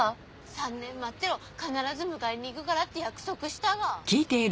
３年待ってろ必ず迎えに行ぐがらって約束したが。